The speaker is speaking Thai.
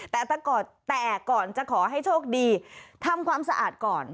แต่ก่อนจะขอให้โชคดีทำความสะอาดก่อน